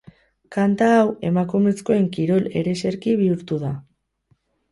Kanta hau emakumezkoen kirol-ereserki bihurtu da.